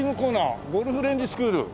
ゴルフレンジスクール。